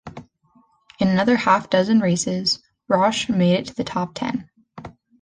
In another half a dozen races, Roche made it to the top ten.